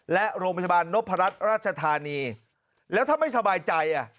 และโรงพยาบาลนพรัชราชธานีแล้วถ้าไม่สบายใจอ่ะ